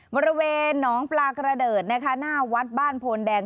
บริเวณหนองปลากระเดิดนะคะหน้าวัดบ้านโพนแดง